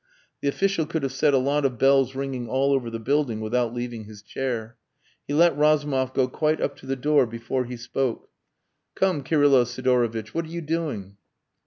The official could have set a lot of bells ringing all over the building without leaving his chair. He let Razumov go quite up to the door before he spoke. "Come, Kirylo Sidorovitch what are you doing?"